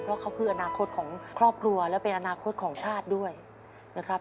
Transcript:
เพราะเขาคืออนาคตของครอบครัวและเป็นอนาคตของชาติด้วยนะครับ